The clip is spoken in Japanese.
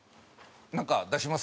なんか出します？